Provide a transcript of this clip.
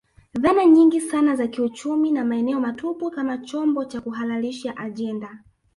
Dhana nyingi sana za kiuchumi na maneno matupu kama chombo cha kuhalalisha ajenda